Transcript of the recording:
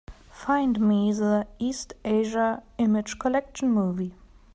Find me the East Asia Image Collection movie.